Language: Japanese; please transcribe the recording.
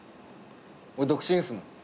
俺独身っすもん。